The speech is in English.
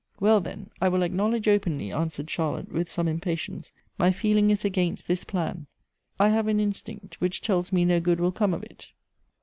"Well, then, I will acknowledge openly," answered Charlotte, with some impatience, " my feeling is against this plan. I have an instinct v/hich tells me no good will come of it."